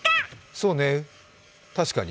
そうね、確かに。